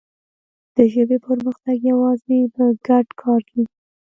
د ژبې پرمختګ یوازې په ګډ کار کېږي.